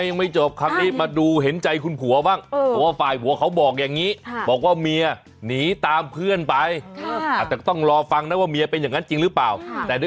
อยากเป็นการบันจัยให้ทุกคนนะคะนะครับ